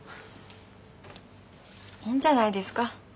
いいんじゃないですか。